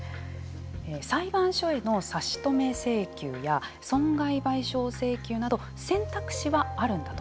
裁判所への差し止め請求や損害賠償請求など選択肢はあるんだと。